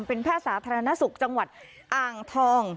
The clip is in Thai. เป็นแพทย์สาธารณสุขจังหวัดอ่างทอง